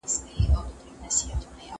که تاسي ورزش کوئ، نو عضلات مو قوي کیږي.